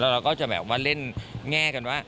เราอยากเล่นแฟนแง่กันว่า